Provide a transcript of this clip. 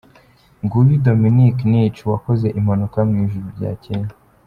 Nguyu Dominic Nic wakoze impanuka mu ijoro ryacyeye.